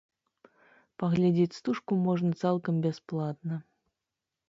Паглядзець стужку можна цалкам бясплатна.